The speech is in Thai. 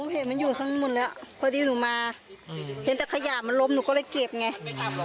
เห็นมันอยู่ข้างบนแล้วพอดีหนูมาเห็นแต่ขยะมันล้มหนูก็เลยเก็บไง